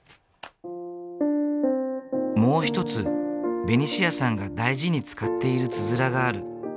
もう一つベニシアさんが大事に使っているつづらがある。